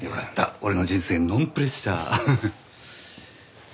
俺の人生ノンプレッシャー。